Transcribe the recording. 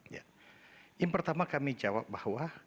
ya yang pertama kami jawab bahwa